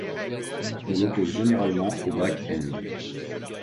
On l'oppose généralement au backend.